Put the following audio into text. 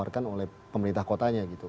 yang ditawarkan oleh pemerintah kotanya gitu